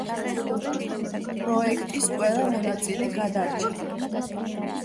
პროექტის ყველა მონაწილე გადარჩა.